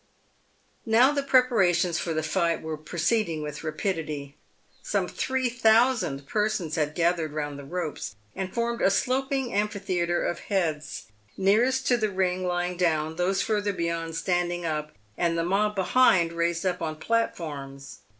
Now the preparations for the fight were proceeding with rapidity. Some three thousand persons had gathered round the ropes, and formed a sloping amphitheatre of heads, the nearest to the ring lying down, those further beyond standing up, and the mob behind raised up on platforms.